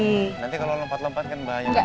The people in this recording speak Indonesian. nanti kalau lempat lempat kan bahaya